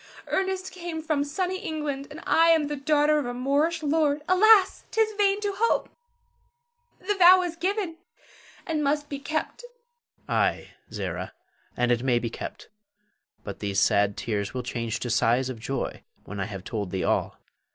Ernest came from sunny England, and I am the daughter of a Moorish lord. Alas, 'tis vain to hope! The vow is given, and must be kept. Her. Ay, Zara, and it may be kept; but these sad tears will change to sighs of joy when I have told thee all.